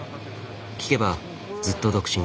聞けばずっと独身。